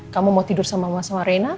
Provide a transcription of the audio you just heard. kamu mau tidur sama mbak mbak sama reina